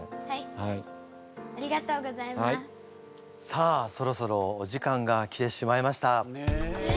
さあそろそろお時間がきてしまいました。